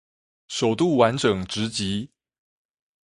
首度完整直擊